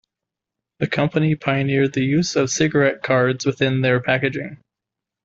The company pioneered the use of cigarette cards within their packaging.